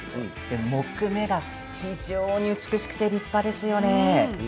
木目が非常に美しくて立派ですよね。